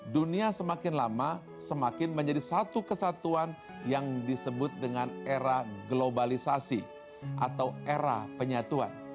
dunia semakin lama semakin menjadi satu kesatuan yang disebut dengan era globalisasi atau era penyatuan